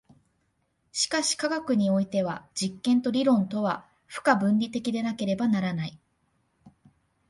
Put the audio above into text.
しかし科学においては実験と理論とは不可分離的でなければならない。